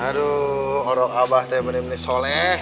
aduh orang abah deh bener bener soleh